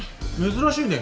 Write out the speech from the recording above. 珍しいね。